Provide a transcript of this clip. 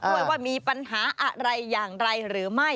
ว่ามีปัญหาอะไรอย่างไรหรือไม่